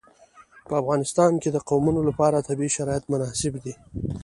په افغانستان کې د قومونه لپاره طبیعي شرایط مناسب دي.